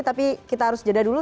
tapi kita harus jeda dulu